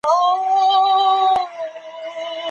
ګټه مې په بازار کې د نوي اعتبار په ګټلو ولګوله.